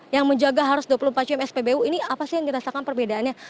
yang menjaga harus dua puluh empat jam spbu ini apa sih yang dirasakan perbedaannya